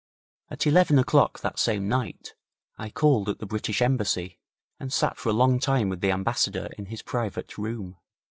At eleven o'clock that same night, I called at the British Embassy and sat for a long time with the Ambassador in his private room.